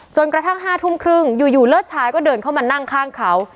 กระทั่ง๕ทุ่มครึ่งอยู่เลิศชายก็เดินเข้ามานั่งข้างเขา